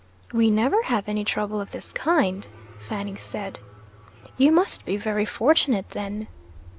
"We never have any trouble of this kind," Fanny said. "You must be very fortunate then."